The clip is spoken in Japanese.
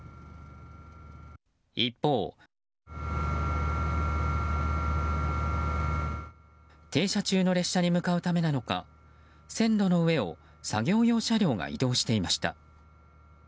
一方、停車中の列車に向かうためなのか線路の上を作業用車両が移動していました。